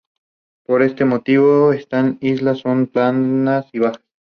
Por este motivo estas islas son planas y bajas.